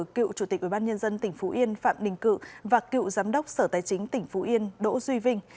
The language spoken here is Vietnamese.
cựu chủ tịch ubnd tỉnh phú yên phạm đình cự và cựu giám đốc sở tài chính tỉnh phú yên đỗ duy vinh